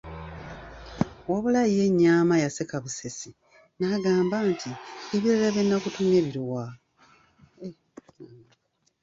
Wabula ye Nyaama yaseka busesi n'agamba nti, ebirala ebibiri bye nakutumye biriwa?